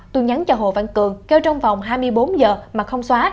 tôi nhắn cho hồ văn cường kêu trong vòng hai mươi bốn h mà không xóa